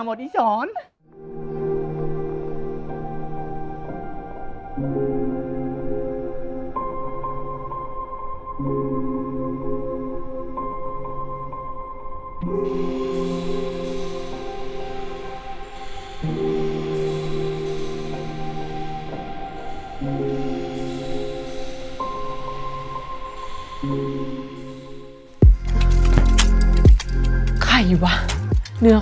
ฟ้าเสียบีกลับมากลับมาก